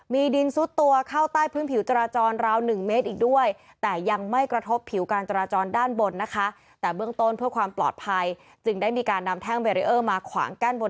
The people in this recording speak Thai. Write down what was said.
มีดินสุดตัวเข้าใต้พื้นผิวจราจรราว๑เมตรอีกด้วย